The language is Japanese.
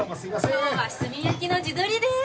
今日は炭焼きの地鶏です。